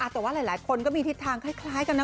แต่ว่าหลายคนก็มีทิศทางคล้ายกันนะ